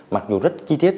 mặc dù rất chi tiết